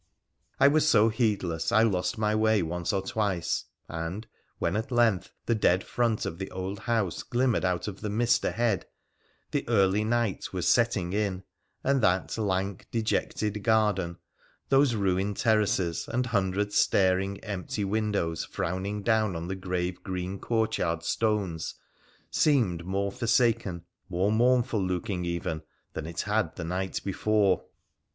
I was so heedless I lost my way once or twice, and, when at length the dead front of the dd house glimmered out of the mist ahead, the early night was setting in, and that lank, dejected garden, those ruined terraces, and hundred staring, empty windows frowning down on the grave green courtyard stones seemed more forsaken, more mournful looking even than it had the night before.